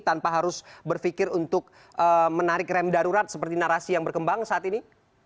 tanpa harus berpikir untuk menarik rem darurat seperti narasi yang berkembang saat ini